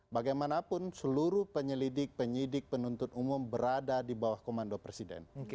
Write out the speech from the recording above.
bagaimanapun seluruh penyelidik penyidik penuntut umum berada di bawah komando presiden